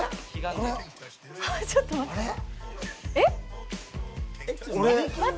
ちょっと待って。